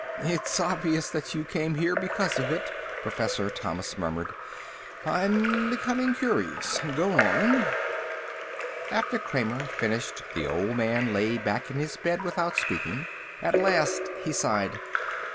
"It's obvious that you came here because of it," Professor Thomas murmured. "I'm becoming curious. Go on." After Kramer finished the old man lay back in the bed without speaking. At last he sighed.